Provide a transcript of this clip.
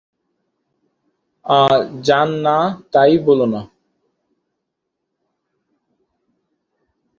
জান না তাই বলো-না।